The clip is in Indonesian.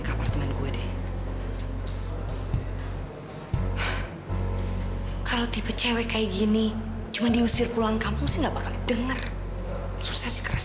bapak gak bakal bisa hidup tenang tinggal di ciamis